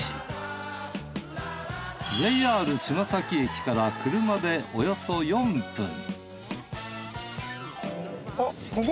ＪＲ茅ヶ崎駅から車でおよそ４分あっここ？